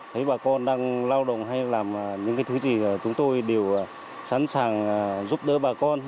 thấy bà con đang lao động hay làm những thứ gì chúng tôi đều sẵn sàng giúp đỡ bà con